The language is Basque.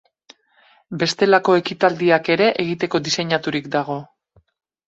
Bestelako ekitaldiak ere egiteko diseinaturik dago.